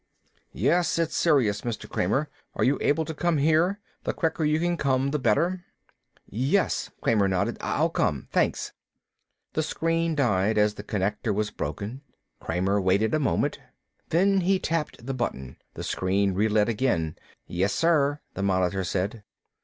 "Yes, it's serious, Mr. Kramer. Are you able to come here? The quicker you can come the better." "Yes." Kramer nodded. "I'll come. Thanks." The screen died as the connection was broken. Kramer waited a moment. Then he tapped the button. The screen relit again. "Yes, sir," the monitor said.